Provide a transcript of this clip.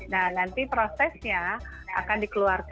nah nanti prosesnya akan dikeluarkan